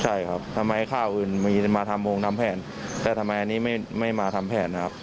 ใช่ครับทำไมข้าวอื่นมีมาทำวงทำแผนแต่ทำไมอันนี้ไม่ไม่มาทำแผนนะครับ